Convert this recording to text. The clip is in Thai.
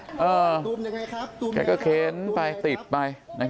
เออแกก็เข็นไปติดไปนะครับ